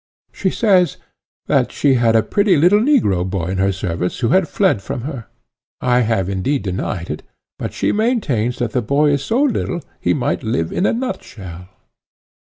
She says, that she had a pretty little negro boy in her service who had fled from her; I have, indeed, denied it, but she maintains that the boy is so little he might live in a nutshell.